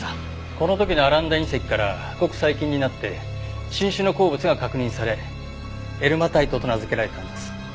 この時のアランダ隕石からごく最近になって新種の鉱物が確認されエルマタイトと名付けられたんです。